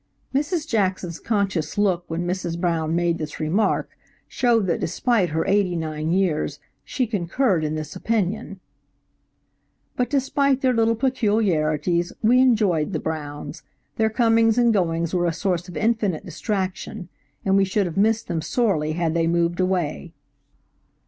Mrs. Jackson's conscious look when Mrs. Brown made this remark showed that despite her eighty nine years, she concurred in this opinion. THE BRIDE. But despite their little peculiarities, we enjoyed the Browns. Their comings and goings were a source of infinite distraction, and we should have missed them sorely had they moved away.